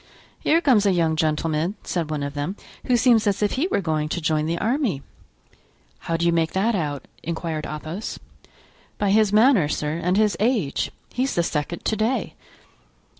"Here comes a young gentleman," said one of them, "who seems as if he were going to join the army." "How do you make that out?" inquired Athos. "By his manner, sir, and his age; he's the second to day."